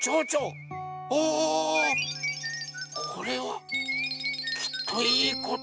これはきっといいことある！